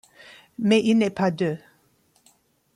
Mais il n'est pas d'eux.